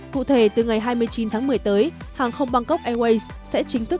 cụ thể từ ngày hai mươi chín tháng một mươi tới hàng không bangkok airways sẽ chính thức